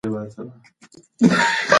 هر ماشوم باید د زده کړې اسانتیا ولري.